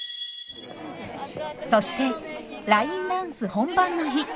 そしてラインダンス本番の日。